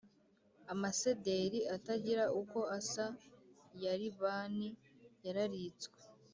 amasederi atagira uko asa ya Libani yararitswe